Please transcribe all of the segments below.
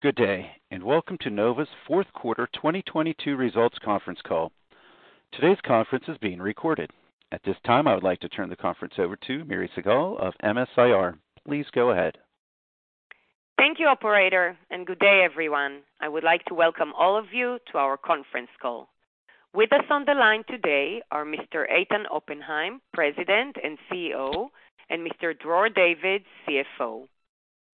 Good day, welcome to Nova's Fourth Quarter 2022 Results Conference Call. Today's conference is being recorded. At this time, I would like to turn the conference over to Miri Segal of MS-IR. Please go ahead. Thank you, operator. Good day, everyone. I would like to welcome all of you to our conference call. With us on the line today are Mr. Eitan Oppenhaim, President and CEO, and Mr. Dror David, CFO.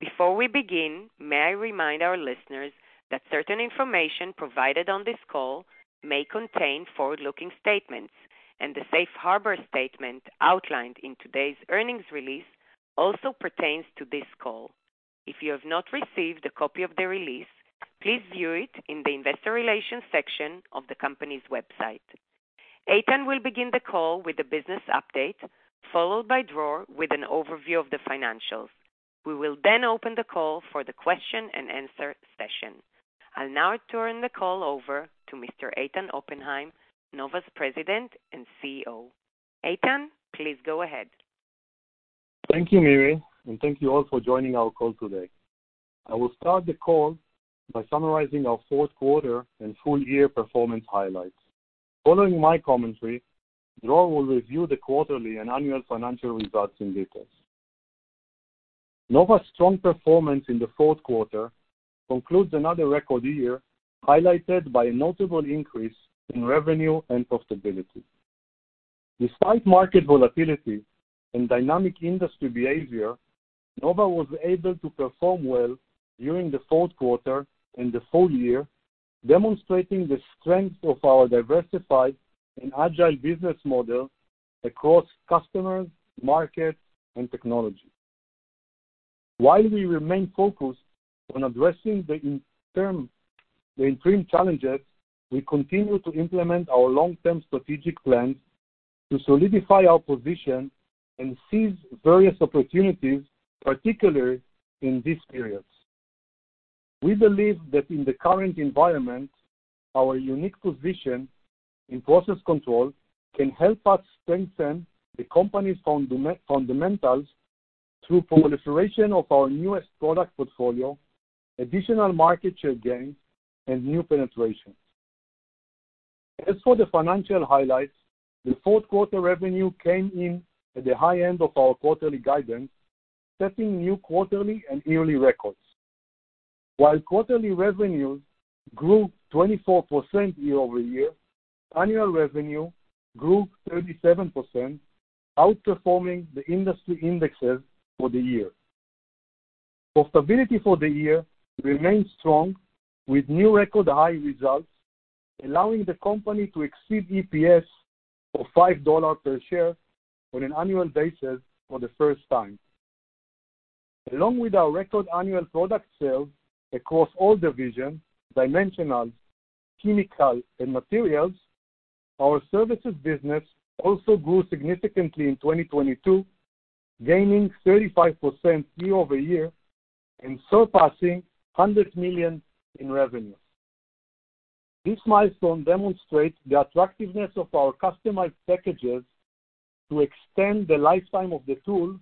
Before we begin, may I remind our listeners that certain information provided on this call may contain forward-looking statements. The safe harbor statement outlined in today's earnings release also pertains to this call. If you have not received a copy of the release, please view it in the investor relations section of the company's website. Eitan will begin the call with a business update, followed by Dror with an overview of the financials. We will open the call for the Q&A session. I'll now turn the call over to Mr. Eitan Oppenhaim, Nova's President and CEO. Eitan, please go ahead. Thank you, Miri, thank you all for joining our call today. I will start the call by summarizing our fourth quarter and full year performance highlights. Following my commentary, Dror will review the quarterly and annual financial results in details. Nova's strong performance in the fourth quarter concludes another record year, highlighted by a notable increase in revenue and profitability. Despite market volatility and dynamic industry behavior, Nova was able to perform well during the fourth quarter and the full year, demonstrating the strength of our diversified and agile business model across customers, markets, and technology. While we remain focused on addressing the interim challenges, we continue to implement our long-term strategic plans to solidify our position and seize various opportunities, particularly in these periods. We believe that in the current environment, our unique position in process control can help us strengthen the company's fundamentals through proliferation of our newest product portfolio, additional market share gains, and new penetration. The fourth quarter revenue came in at the high end of our quarterly guidance, setting new quarterly and yearly records. Quarterly revenues grew 24% YoY, annual revenue grew 37%, outperforming the industry indexes for the year. Profitability for the year remains strong with new record high results, allowing the company to exceed EPS of $5 per share on an annual basis for the first time. Our record annual product sales across all divisions, dimensional, chemical, and materials, our services business also grew significantly in 2022, gaining 35% YoY and surpassing $100 million in revenue. This milestone demonstrates the attractiveness of our customized packages to extend the lifetime of the tool,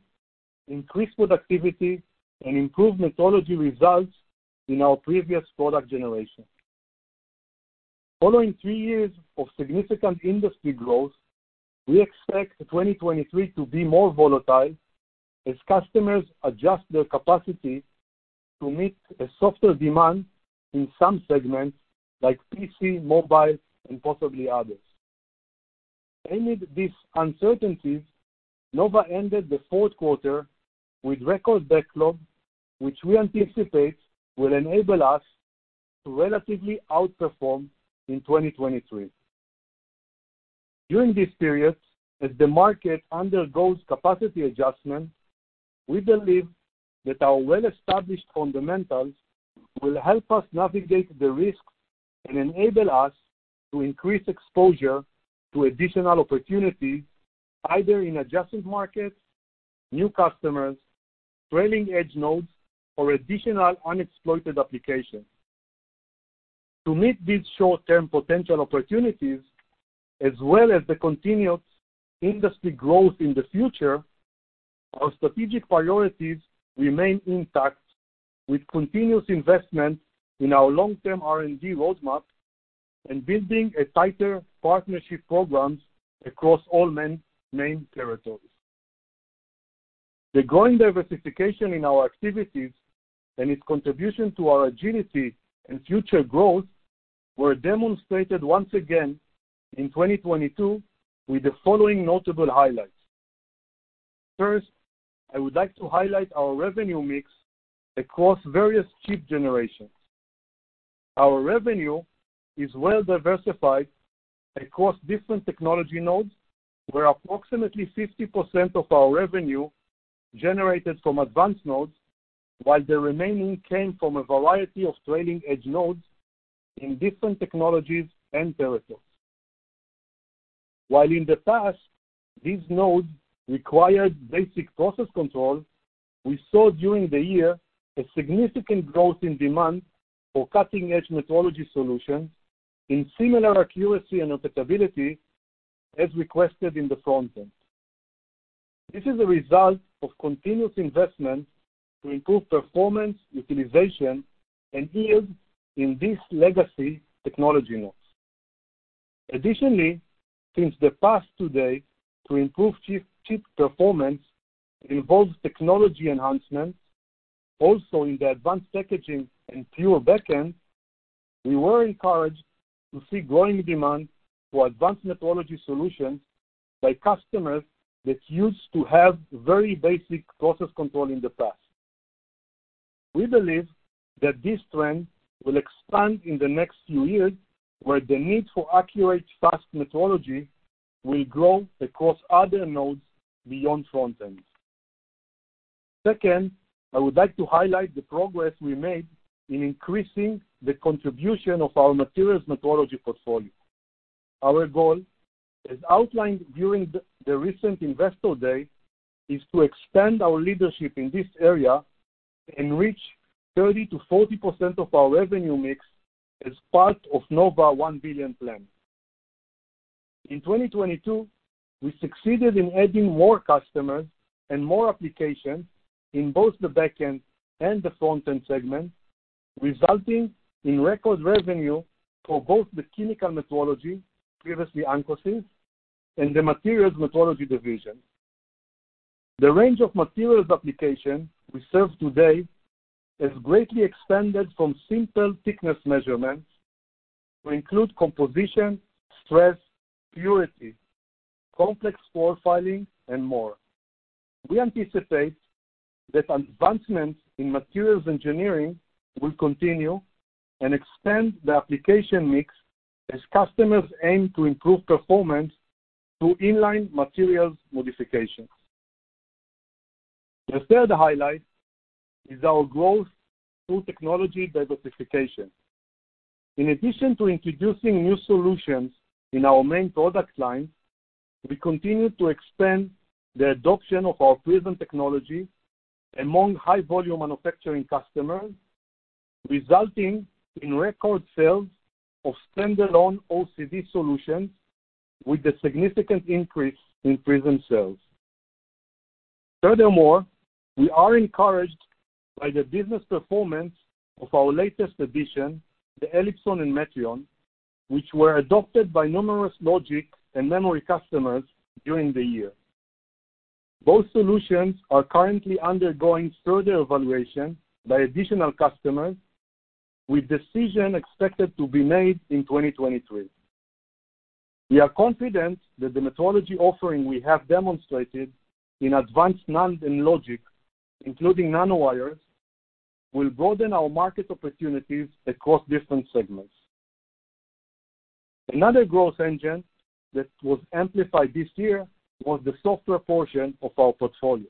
increase productivity, and improve metrology results in our previous product generation. Following three years of significant industry growth, we expect 2023 to be more volatile as customers adjust their capacity to meet a softer demand in some segments like PC, mobile, and possibly others. Amid these uncertainties, Nova ended the fourth quarter with record backlog, which we anticipate will enable us to relatively outperform in 2023. During these periods, as the market undergoes capacity adjustment, we believe that our well-established fundamentals will help us navigate the risks and enable us to increase exposure to additional opportunities, either in adjacent markets, new customers, trailing edge nodes, or additional unexploited applications. To meet these short-term potential opportunities, as well as the continued industry growth in the future, our strategic priorities remain intact with continuous investment in our long-term R&D roadmap and building a tighter partnership programs across all main territories. The growing diversification in our activities and its contribution to our agility and future growth were demonstrated once again in 2022 with the following notable highlights. First, I would like to highlight our revenue mix across various chip generations. Our revenue is well diversified across different technology nodes, where approximately 50% of our revenue generated from advanced nodes, while the remaining came from a variety of trailing edge nodes in different technologies and territories. While in the past, these nodes required basic process control, we saw during the year a significant growth in demand for cutting-edge metrology solutions in similar accuracy and repeatability as requested in the front-end. This is a result of continuous investment to improve performance, utilization, and yield in these legacy technology nodes. Since the past today to improve chip performance involves technology enhancements also in the advanced packaging and pure backend, we were encouraged to see growing demand for advanced metrology solutions by customers that used to have very basic process control in the past. We believe that this trend will expand in the next few years, where the need for accurate, fast metrology will grow across other nodes beyond front-end. Second, I would like to highlight the progress we made in increasing the contribution of our materials metrology portfolio. Our goal, as outlined during the recent Investor Day, is to expand our leadership in this area and reach 30%-40% of our revenue mix as part of Nova One Billion plan. In 2022, we succeeded in adding more customers and more applications in both the backend and the front-end segment, resulting in record revenue for both the chemical metrology, previously ancosys, and the materials metrology division. The range of materials application we serve today has greatly expanded from simple thickness measurements to include composition, stress, purity, complex pore filling, and more. We anticipate that advancements in materials engineering will continue and expand the application mix as customers aim to improve performance through in-line materials modifications. The third highlight is our growth through technology diversification. In addition to introducing new solutions in our main product line, we continue to expand the adoption of our Prism technology among high-volume manufacturing customers, resulting in record sales of standalone OCD solutions with a significant increase in Prism sales. We are encouraged by the business performance of our latest addition, the Elipson and Metrion, which were adopted by numerous logic and memory customers during the year. Both solutions are currently undergoing further evaluation by additional customers, with decision expected to be made in 2023. We are confident that the metrology offering we have demonstrated in advanced NAND and logic, including nanowires, will broaden our market opportunities across different segments. Another growth engine that was amplified this year was the software portion of our portfolio.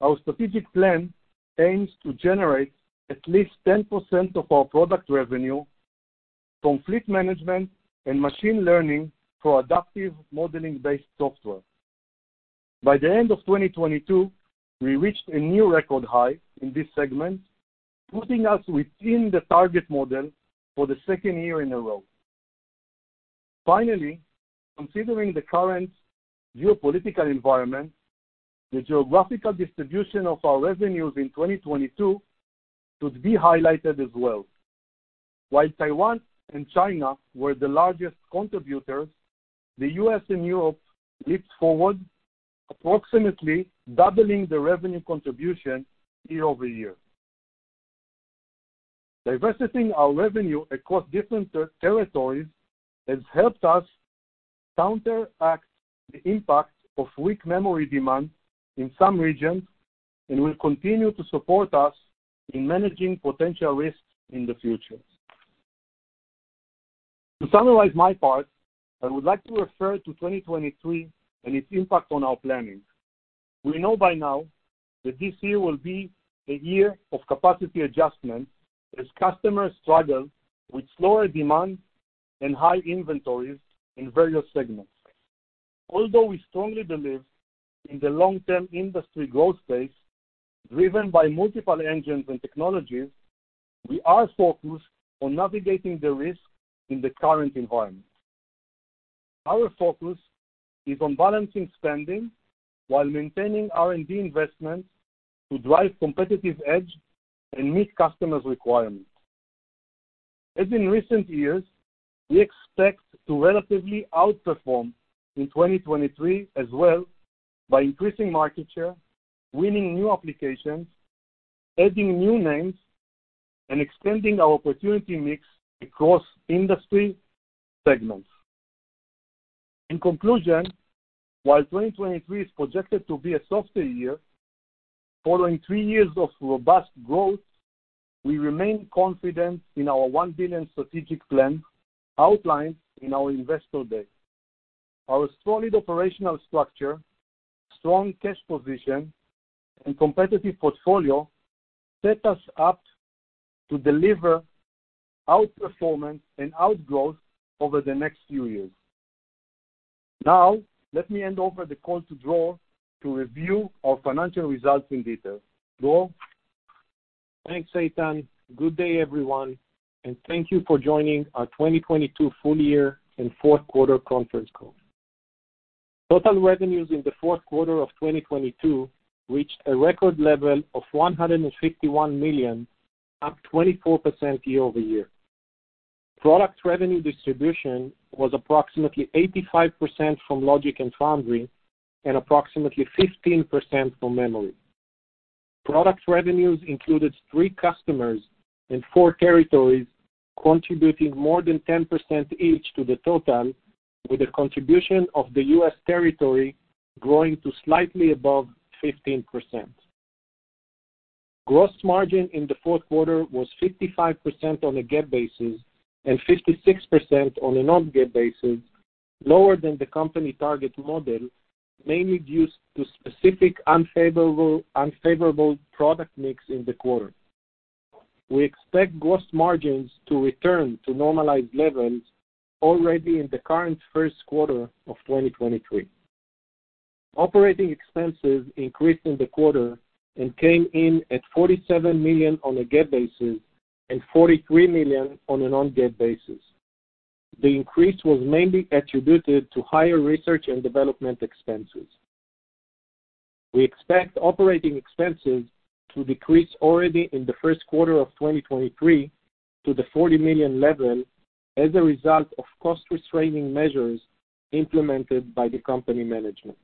Our strategic plan aims to generate at least 10% of our product revenue from fleet management and machine learning for adaptive modeling-based software. By the end of 2022, we reached a new record high in this segment, putting us within the target model for the second year in a row. Finally, considering the current geopolitical environment, the geographical distribution of our revenues in 2022 should be highlighted as well. While Taiwan and China were the largest contributors, the U.S. and Europe leaped forward, approximately doubling the revenue contribution YoY. Diversifying our revenue across different territories has helped us counteract the impact of weak memory demand in some regions and will continue to support us in managing potential risks in the future. To summarize my part, I would like to refer to 2023 and its impact on our planning. We know by now that this year will be a year of capacity adjustment as customers struggle with slower demand and high inventories in various segments. Although we strongly believe in the long-term industry growth space driven by multiple engines and technologies, we are focused on navigating the risk in the current environment. Our focus is on balancing spending while maintaining R&D investments to drive competitive edge and meet customers' requirements. As in recent years, we expect to relatively outperform in 2023 as well by increasing market share, winning new applications, adding new names, and expanding our opportunity mix across industry segments. In conclusion, while 2023 is projected to be a softer year following three years of robust growth, we remain confident in our $1 billion strategic plan outlined in our Investor Day. Our solid operational structure, strong cash position, and competitive portfolio set us up to deliver outperformance and outgrowth over the next few years. Now, let me hand over the call to Dror to review our financial results in detail. Dror? Thanks, Eitan. Good day, everyone, thank you for joining our 2022 full year and fourth quarter conference call. Total revenues in the fourth quarter of 2022 reached a record level of $151 million, up 24% YoY. Product revenue distribution was approximately 85% from logic and foundry, and approximately 15% from memory. Product revenues included three customers in four territories, contributing more than 10% each to the total, with a contribution of the U.S. territory growing to slightly above 15%. Gross margin in the fourth quarter was 55% on a GAAP basis and 56% on a non-GAAP basis, lower than the company target model, mainly due to specific unfavorable product mix in the quarter. We expect gross margins to return to normalized levels already in the current first quarter of 2023. Operating expenses increased in the quarter and came in at $47 million on a GAAP basis and $43 million on a non-GAAP basis. The increase was mainly attributed to higher research and development expenses. We expect operating expenses to decrease already in the first quarter of 2023 to the $40 million level as a result of cost restraining measures implemented by the company management.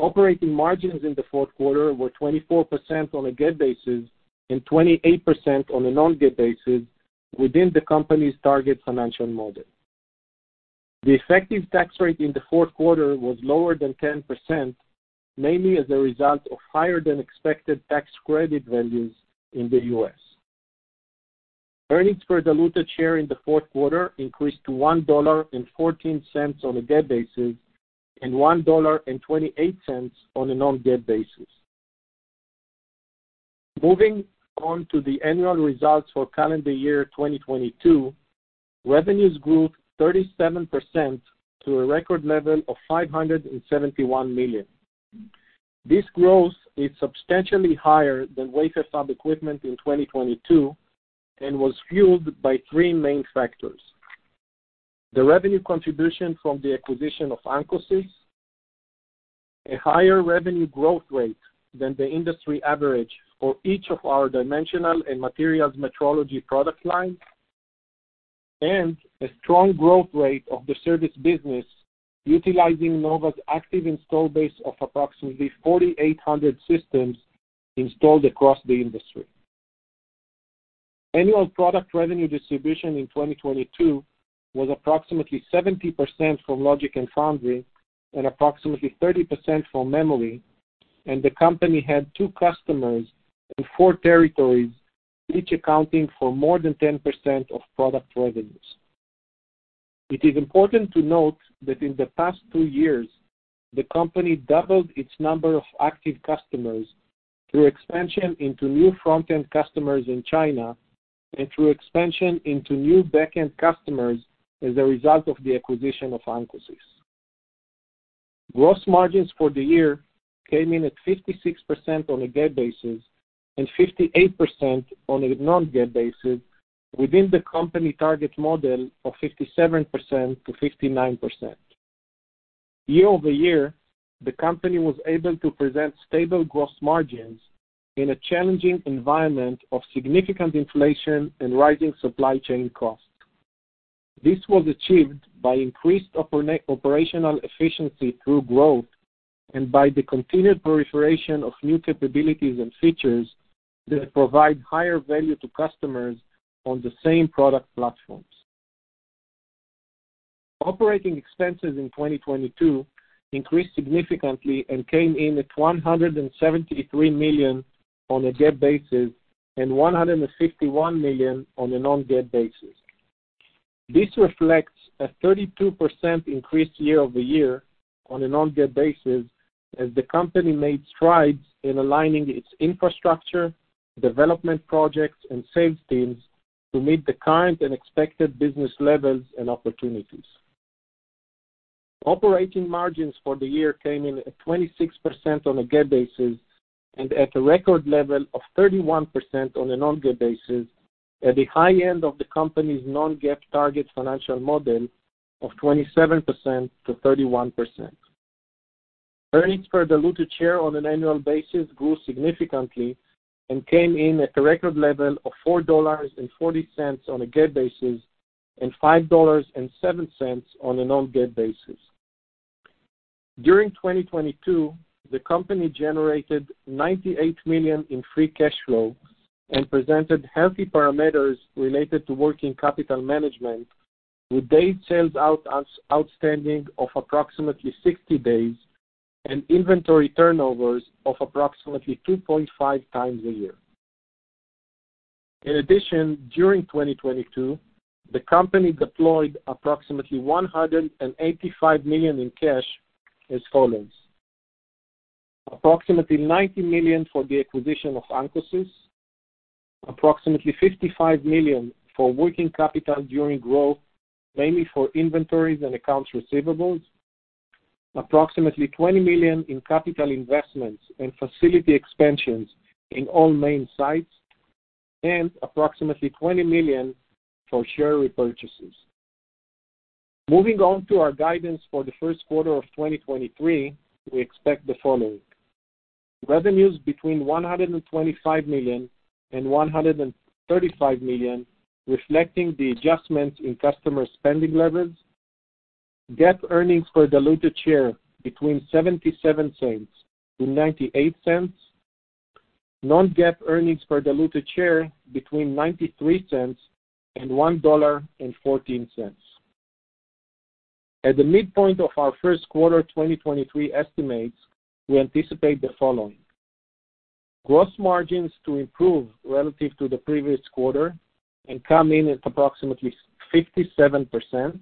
Operating margins in the fourth quarter were 24% on a GAAP basis and 28% on a non-GAAP basis within the company's target financial model. The effective tax rate in the fourth quarter was lower than 10%, mainly as a result of higher than expected tax credit values in the U.S. Earnings per diluted share in the fourth quarter increased to $1.14 on a GAAP basis and $1.28 on a non-GAAP basis. Moving on to the annual results for calendar year 2022, revenues grew 37% to a record level of $571 million. This growth is substantially higher than wafer fab equipment in 2022 and was fueled by three main factors. The revenue contribution from the acquisition of ancosys, a higher revenue growth rate than the industry average for each of our dimensional and materials metrology product lines, and a strong growth rate of the service business utilizing Nova's active install base of approximately 4,800 systems installed across the industry. Annual product revenue distribution in 2022 was approximately 70% from logic and foundry and approximately 30% from memory. The company had two customers in four territories, each accounting for more than 10% of product revenues. It is important to note that in the past two years, the company doubled its number of active customers through expansion into new front-end customers in China and through expansion into new back-end customers as a result of the acquisition of ancosys. Gross margins for the year came in at 56% on a GAAP basis and 58% on a non-GAAP basis within the company target model of 57%-59%. YoY, the company was able to present stable gross margins in a challenging environment of significant inflation and rising supply chain costs. This was achieved by increased operational efficiency through growth and by the continued proliferation of new capabilities and features that provide higher value to customers on the same product platforms. Operating expenses in 2022 increased significantly and came in at $173 million on a GAAP basis and $151 million on a non-GAAP basis. This reflects a 32% increase YoY on a non-GAAP basis as the company made strides in aligning its infrastructure, development projects, and sales teams to meet the current and expected business levels and opportunities. Operating margins for the year came in at 26% on a GAAP basis and at a record level of 31% on a non-GAAP basis at the high end of the company's non-GAAP target financial model of 27%-31%. Earnings per diluted share on an annual basis grew significantly and came in at a record level of $4.40 on a GAAP basis and $5.07 on a non-GAAP basis. During 2022, the company generated $98 million in free cash flow and presented healthy parameters related to working capital management, with days sales outstanding of approximately 60 days and inventory turnovers of approximately 2.5x a year. In addition, during 2022, the company deployed approximately $185 million in cash as follows: Approximately $90 million for the acquisition of ancosys. Approximately $55 million for working capital during growth, mainly for inventories and accounts receivables. Approximately $20 million in capital investments and facility expansions in all main sites, and approximately $20 million for share repurchases. Moving on to our guidance for the first quarter of 2023, we expect the following. Revenues between $125 million and $135 million, reflecting the adjustments in customer spending levels. GAAP earnings per diluted share between $0.77-$0.98. Non-GAAP earnings per diluted share between $0.93 and $1.14. At the midpoint of our first quarter 2023 estimates, we anticipate the following: Gross margins to improve relative to the previous quarter and come in at approximately 57%.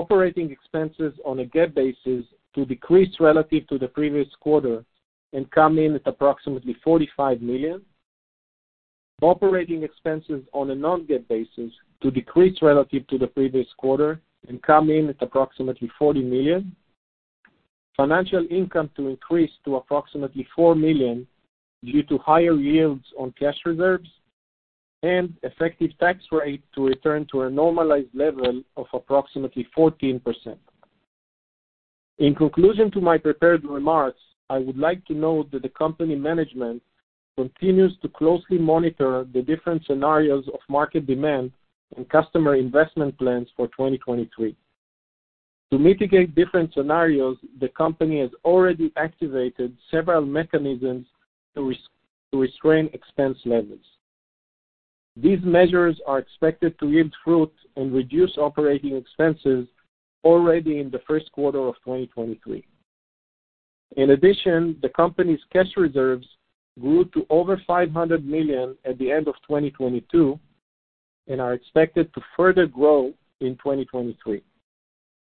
Operating expenses on a GAAP basis to decrease relative to the previous quarter and come in at approximately $45 million. Operating expenses on a non-GAAP basis to decrease relative to the previous quarter and come in at approximately $40 million. Financial income to increase to approximately $4 million due to higher yields on cash reserves. Effective tax rate to return to a normalized level of approximately 14%. In conclusion to my prepared remarks, I would like to note that the company management continues to closely monitor the different scenarios of market demand and customer investment plans for 2023. To mitigate different scenarios, the company has already activated several mechanisms to restrain expense levels. These measures are expected to yield fruit and reduce operating expenses already in the first quarter of 2023. In addition, the company's cash reserves grew to over $500 million at the end of 2022 and are expected to further grow in 2023.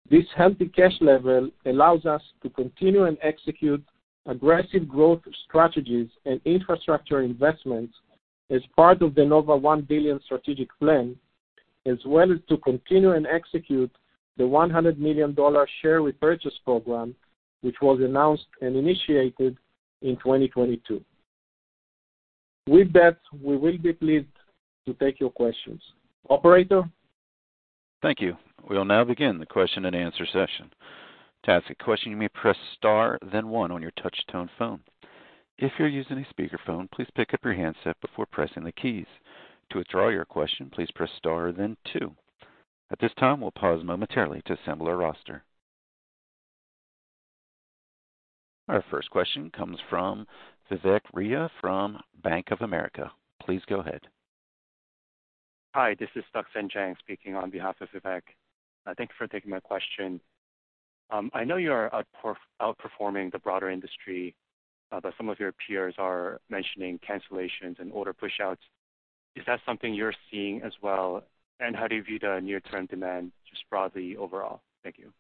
This healthy cash level allows us to continue and execute aggressive growth strategies and infrastructure investments as part of the Nova One Billion strategic plan, as well as to continue and execute the $100 million share repurchase program, which was announced and initiated in 2022. With that, we will be pleased to take your questions. Operator? Thank you. We'll now begin the Q&A session. To ask a question, you may press star, then one on your touch-tone phone. If you're using a speakerphone, please pick up your handset before pressing the keys. To withdraw your question, please press star then two. At this time, we'll pause momentarily to assemble a roster. Our first question comes from Vivek Arya from Bank of America. Please go ahead. Hi, this is Duksan Jang speaking on behalf of Vivek. Thank you for taking my question. I know you are outperforming the broader industry, but some of your peers are mentioning cancellations and order push-outs. Is that something you're seeing as well? How do you view the near-term demand just broadly overall? Thank you.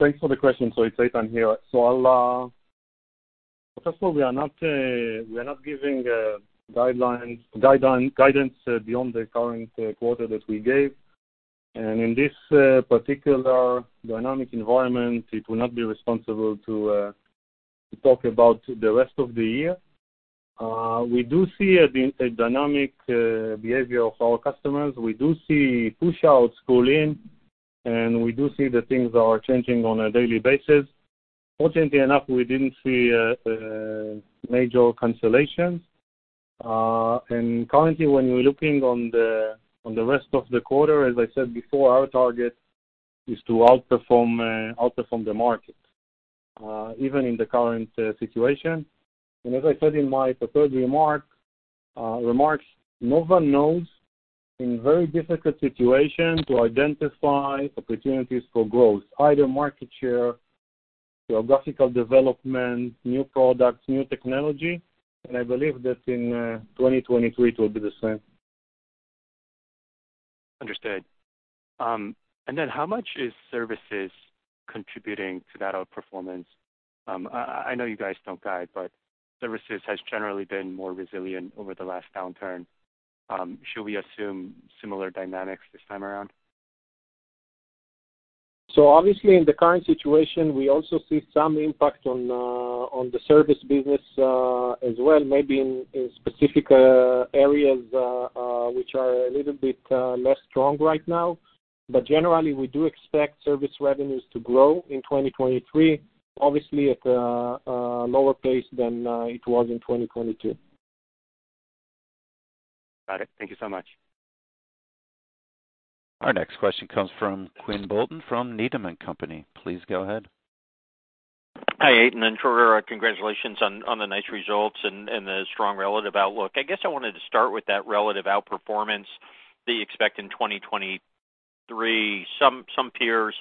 Thanks for the question. It's Eitan here. First of all, we are not giving guidance beyond the current quarter that we gave. In this particular dynamic environment, it will not be responsible to talk about the rest of the year. We do see a dynamic behavior of our customers. We do see push-outs pull in, and we do see that things are changing on a daily basis. Fortunately enough, we didn't see major cancellations. Currently when we're looking on the, on the rest of the quarter, as I said before, our target is to outperform the market even in the current situation. As I said in my prepared remarks, Nova knows in very difficult situation to identify opportunities for growth, either market share, geographical development, new products, new technology, and I believe that in, 2023, it will be the same. Understood. How much is services contributing to that outperformance? I know you guys don't guide. Services has generally been more resilient over the last downturn. Should we assume similar dynamics this time around? Obviously in the current situation, we also see some impact on the service business as well, maybe in specific areas which are a little bit less strong right now. Generally, we do expect service revenues to grow in 2023, obviously at a lower pace than it was in 2022. Got it. Thank you so much. Our next question comes from Quinn Bolton from Needham & Company. Please go ahead. Hi, Eitan, and Dror, congratulations on the nice results and the strong relative outlook. I guess I wanted to start with that relative outperformance that you expect in 2023. Some peers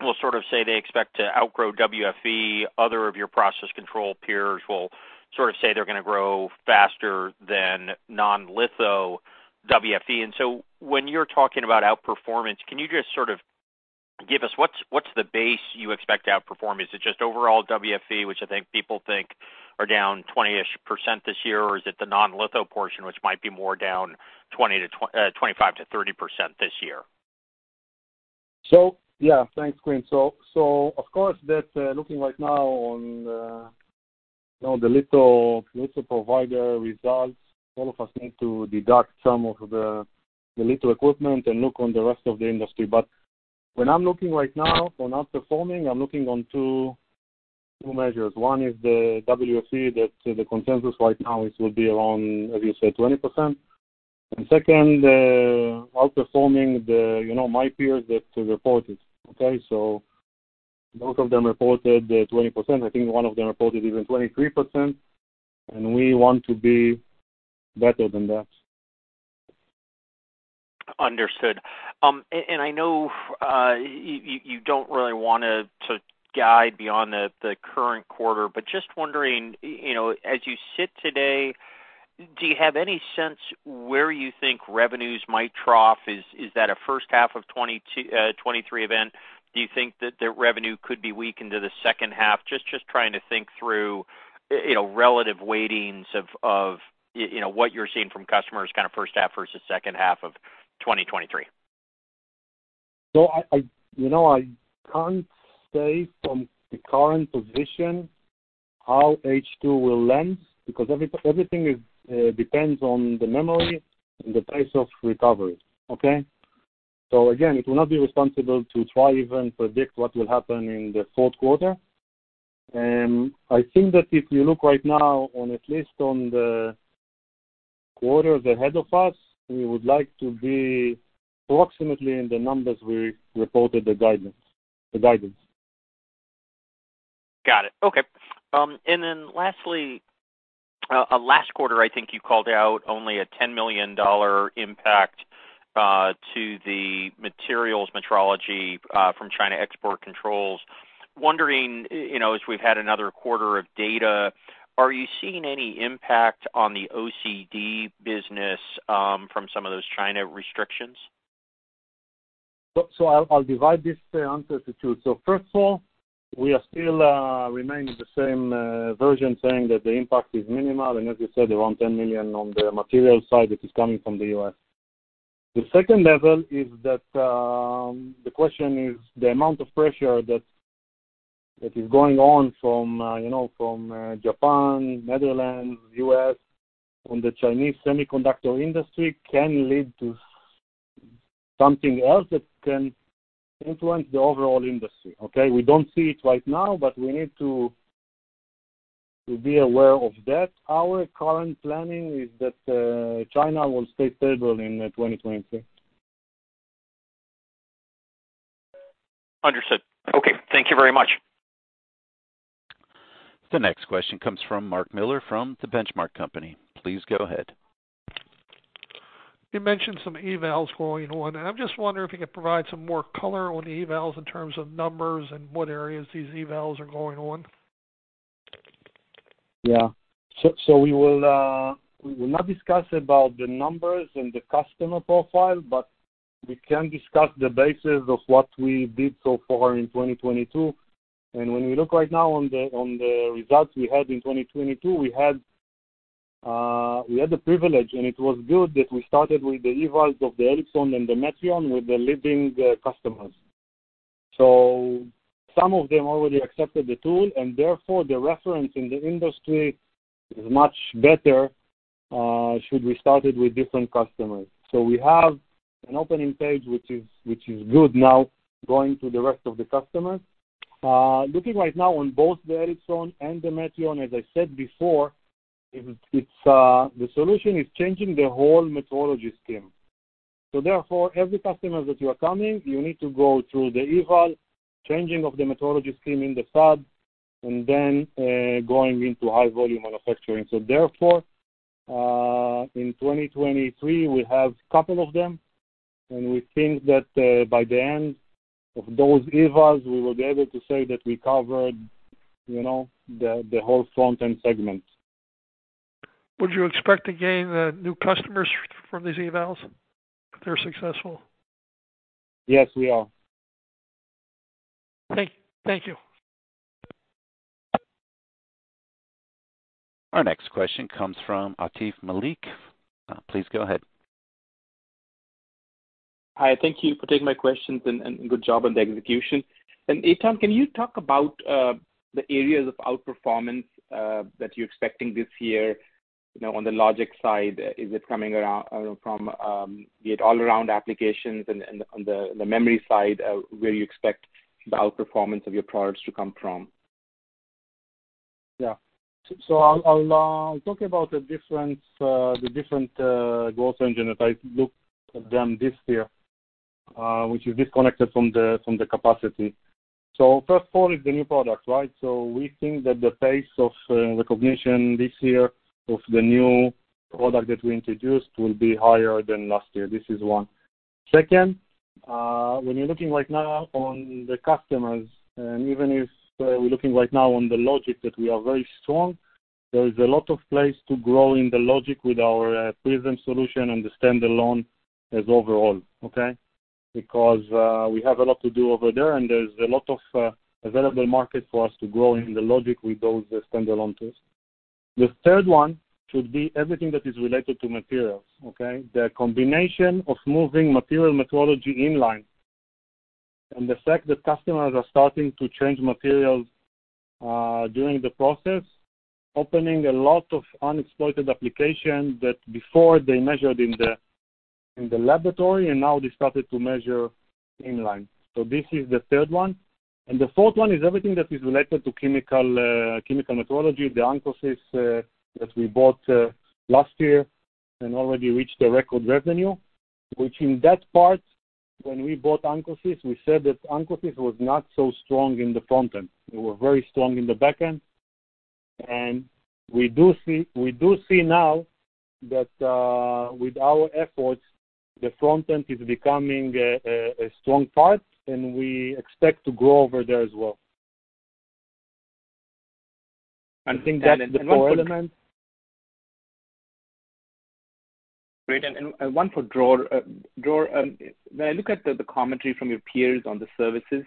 will sort of say they expect to outgrow WFE. Other of your process control peers will sort of say they're gonna grow faster than non-litho WFE. When you're talking about outperformance, can you just sort of give us what's the base you expect to outperformance? Is it just overall WFE, which I think people think are down 20%-ish this year? Or is it the non-litho portion, which might be more down 25%-30% this year? Yeah, thanks, Quinn. Of course that, looking right now on the, you know, the little provider results, all of us need to deduct some of the little equipment and look on the rest of the industry. When I'm looking right now on outperforming, I'm looking on two measures. One is the WFE that the consensus right now is, will be around, as you said, 20%. Second, outperforming the, you know, my peers that reported, okay? Both of them reported 20%. I think one of them reported even 23%, and we want to be better than that. Understood. I know you don't really wanna guide beyond the current quarter, but just wondering, you know, as you sit today, do you have any sense where you think revenues might trough? Is that a first half of 2023 event? Do you think that their revenue could be weak into the second half? Just trying to think through, you know, relative weightings of, you know, what you're seeing from customers kind of first half versus second half of 2023. I, you know, I can't say from the current position how H2 will end because everything is, depends on the memory and the pace of recovery, okay? Again, it will not be responsible to try even predict what will happen in the fourth quarter. I think that if you look right now on, at least on the quarters ahead of us, we would like to be approximately in the numbers we reported the guidance. Got it. Okay. Lastly, last quarter, I think you called out only a $10 million impact to the materials metrology from China export controls. Wondering, you know, as we've had another quarter of data, are you seeing any impact on the OCD business from some of those China restrictions? I'll divide this answer to two. First of all, we are still remaining the same version saying that the impact is minimal, and as you said, around $10 million on the material side, it is coming from the U.S. The second level is that, the question is the amount of pressure that is going on from, you know, from Japan, Netherlands, U.S. on the Chinese semiconductor industry can lead to something else that can influence the overall industry, okay? We don't see it right now, but we need to be aware of that. Our current planning is that China will stay stable in 2023. Understood. Okay. Thank you very much. The next question comes from Mark Miller from The Benchmark Company. Please go ahead. You mentioned some evals going on, and I'm just wondering if you could provide some more color on the evals in terms of numbers and what areas these evals are going on. Yeah. We will not discuss about the numbers and the customer profile, but we can discuss the basis of what we did so far in 2022. When we look right now on the results we had in 2022, we had the privilege and it was good that we started with the evals of the Elipson and the Metrion with the leading customers. Some of them already accepted the tool and therefore the reference in the industry is much better, should we started with different customers. We have an opening page, which is good now going to the rest of the customers. Looking right now on both the Elipson and the Metrion, as I said before, it's the solution is changing the whole metrology scheme. Therefore every customer that you are coming, you need to go through the eval, changing of the metrology scheme in the fab, and then going into high volume manufacturing. Therefore, in 2023 we have couple of them, and we think that by the end of those evals, we will be able to say that we covered, you know, the whole front end segment. Would you expect to gain new customers from these evals if they're successful? Yes, we are. Thank you. Our next question comes from Atif Malik. Please go ahead. Hi. Thank you for taking my questions and good job on the execution. Eitan, can you talk about the areas of outperformance that you're expecting this year, you know, on the logic side? Is it coming around from the all around applications and on the memory side, where you expect the outperformance of your products to come from? I'll talk about the different, the different growth engine if I look at them this year, which is disconnected from the capacity. First of all is the new product, right? We think that the pace of recognition this year of the new product that we introduced will be higher than last year. This is one. Second, when you're looking right now on the customers, and even if we're looking right now on the logic that we are very strong, there is a lot of place to grow in the logic with our Prism solution and the standalone as overall, okay? We have a lot to do over there, and there's a lot of available market for us to grow in the logic with those standalone tools. The third one should be everything that is related to materials, okay? The combination of moving material metrology in line and the fact that customers are starting to change materials during the process, opening a lot of unexploited applications that before they measured in the laboratory, and now they started to measure in line. This is the third one. The fourth one is everything that is related to chemical metrology, the ancosys that we bought last year and already reached a record revenue, which in that part, when we bought ancosys, we said that ancosys was not so strong in the front end. They were very strong in the back end. We do see now that with our efforts, the front end is becoming a strong part, and we expect to grow over there as well. I think that's the four elements. Great. One for Dror. Dror, when I look at the commentary from your peers on the services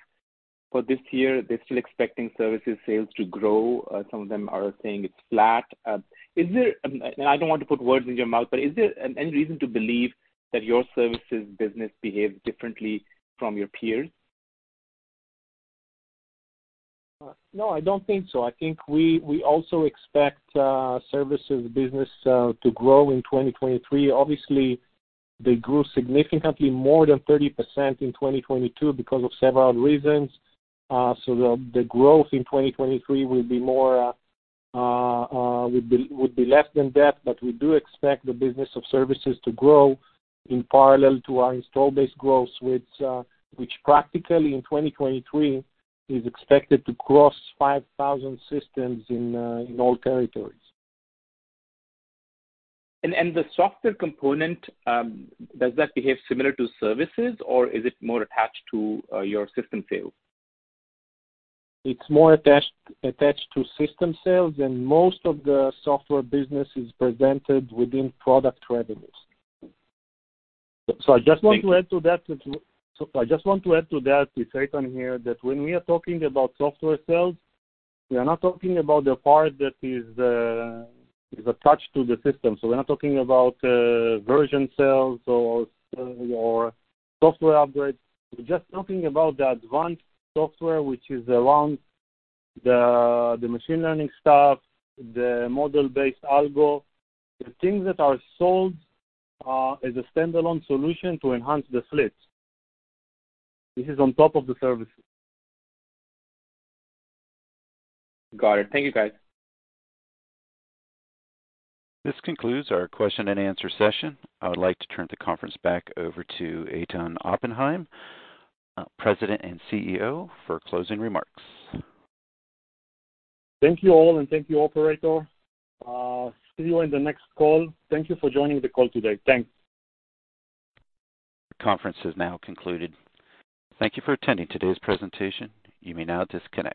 for this year, they're still expecting services sales to grow. Some of them are saying it's flat. I don't want to put words in your mouth, but is there any reason to believe that your services business behaves differently from your peers? No, I don't think so. I think we also expect, services business, to grow in 2023. Obviously, they grew significantly more than 30% in 2022 because of several reasons. The growth in 2023 will be more, will be less than that, but we do expect the business of services to grow in parallel to our install base growth, which practically in 2023 is expected to cross 5,000 systems in all territories. The software component, does that behave similar to services or is it more attached to your system sales? It's more attached to system sales. Most of the software business is presented within product revenues. I just want to add to that. I just want to add to that, it's Eitan here, that when we are talking about software sales, we are not talking about the part that is attached to the system. We're not talking about version sales or software upgrades. We're just talking about the advanced software, which is around the machine learning stuff, the model-based algo, the things that are sold as a standalone solution to enhance the slit. This is on top of the services. Got it. Thank you, guys. This concludes our question and answer session. I would like to turn the conference back over to Eitan Oppenhaim, President and CEO, for closing remarks. Thank you all, thank you, operator. See you in the next call. Thank you for joining the call today. Thanks. The conference has now concluded. Thank you for attending today's presentation. You may now disconnect.